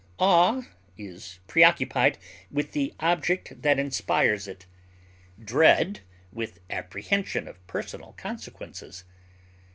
Awe is preoccupied with the object that inspires it; dread with apprehension of personal consequences.